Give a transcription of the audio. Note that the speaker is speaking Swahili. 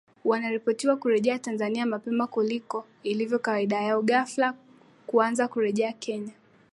wanaripotiwa kurejea Tanzania mapema kuliko ilivyo kawaida yao ghafla kuanza kurejea Kenya